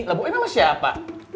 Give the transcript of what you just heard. labuin sama siapa